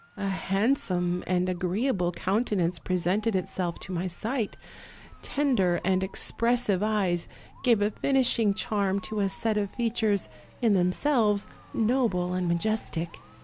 A handsome and agreeable countenance presented itself to my sight; tender and ex pressive eyes gave a finishing charm to a set of features in themselves noble and majestic.